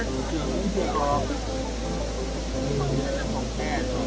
ติดจริงเลยใช่ไหม